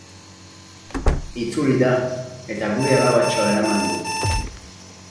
Itzuli da, eta gure alabatxoa eraman du!